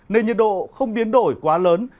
nền nhiệt độ không biến đổi quá lớn